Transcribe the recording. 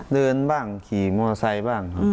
เดินบ้างขี่มอเตอร์ไซส์บ้าง